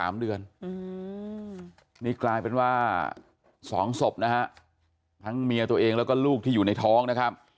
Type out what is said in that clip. นี่กลายเป็นว่า๒ศพนะฮะทั้งเมียตัวเองแล้วก็ลูกที่อยู่ในท้องนะครับ